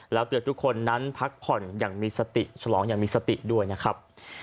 แล้วเตือนทุกคนนั้นพักผ่อนอย่างมีสติฉลองอย่างมีสติด้วยนะครับ